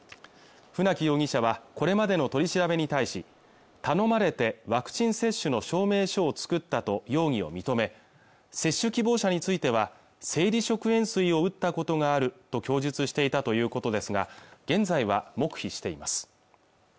船木容疑者はこれまでの取り調べに対し頼まれてワクチン接種の証明書を作ったと容疑を認め接種希望者については生理食塩水を打ったことがあると供述していたということですが現在は黙秘しています